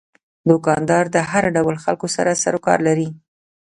دوکاندار د هر ډول خلکو سره سروکار لري.